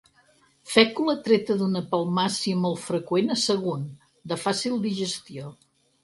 Fècula treta d'una palmàcia molt freqüent a Sagunt, de fàcil digestió.